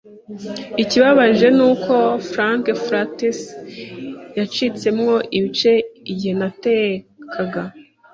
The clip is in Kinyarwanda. "Ikibabaje ni uko frankfurters yacitsemo ibice igihe natekaga.